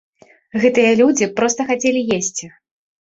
Гэтыя людзі проста хацелі есці.